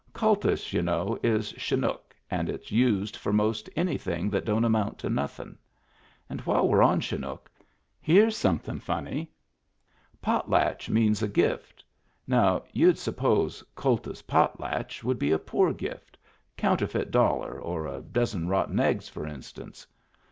Kultus^ y'u know, is Chinook, and it's used for most an)rthing that don't amount to nothin*. And while we're on Chinook, here's something funny. Potlatch means a gift. Now you'd suppose kultus potlatch would be a poor gift — counterfeit dollar or a dozen rotten eggs, for instance.